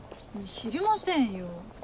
知りませんよ。